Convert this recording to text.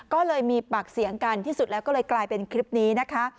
ก็เลยมีปากเสียงกันที่สุดแล้วก็เลยกลายเป็นคลิปนี้นะคะ